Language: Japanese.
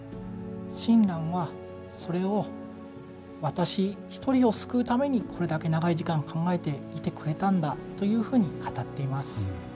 親鸞はそれを私一人を救うためにこれだけ長い時間、考えていてくれたんだというふうに語っています。